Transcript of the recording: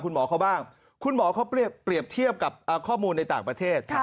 คุณหมอเขาบ้างคุณหมอเขาเปรียบเทียบกับข้อมูลในต่างประเทศ